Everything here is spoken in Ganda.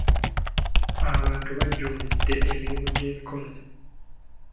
Abantu bajjumbidde emirimu gy’emikono.